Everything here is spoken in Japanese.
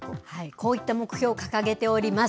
こういった目標を掲げております。